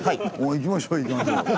行きましょう行きましょう。